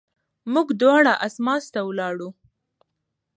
موږ دواړه اسماس ته ولاړو.